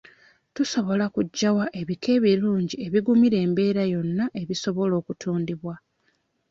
Tusobola kugyawa ebika ebirungi ebigumira embeera yonna ebisobola okutundibwa?